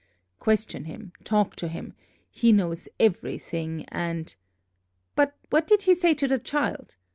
question him, talk to him, he knows everything, and " "But what did he say to the child?"